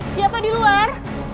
siapa di luar